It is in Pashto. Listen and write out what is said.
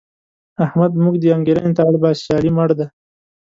احمد موږ دې انګېرنې ته اړباسي چې علي مړ دی.